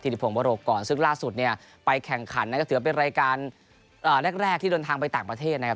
ที่หลีบพลงเวอร์โหลกก่อนซึ่งล่าสุดเนี่ยไปแรกการแลกที่โยนทางไปต่างประเทศนะครับ